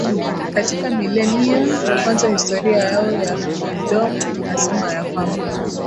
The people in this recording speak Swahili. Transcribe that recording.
Katika milenia ya kwanza historia yao ya kimdomo inasema ya kwamba